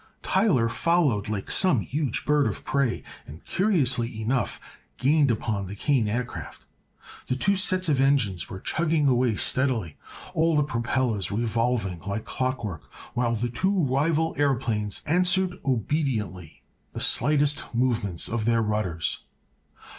Tyler followed like some huge bird of prey and, curiously enough, gained upon the Kane Aircraft. The two sets of engines were chugging away steadily, all the propellers revolving like clockwork, while the two rival aëroplanes answered obediently the slightest movements of their rudders.